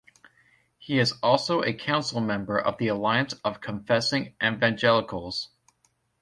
He is also a Council member of the Alliance of Confessing Evangelicals.